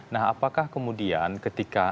nah apakah kemudian ketika